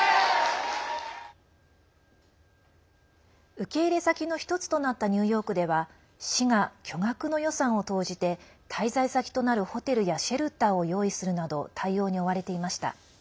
受け入れ先の１つとなったニューヨークでは市が巨額の予算を投じて滞在先となるホテルやシェルターを用意するなど対応に追われていました。